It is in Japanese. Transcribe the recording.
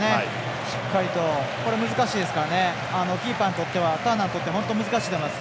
しっかりと、難しいですからキーパーにとってはターナーにとっては本当に難しいと思います。